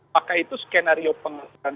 maka itu skenario pengelolaan